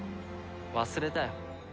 忘れたよ。